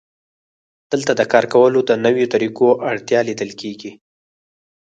دلته د کار کولو د نویو طریقو اړتیا لیدل کېږي